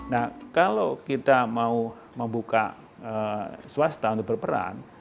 nah kalau kita mau membuka swasta untuk berperan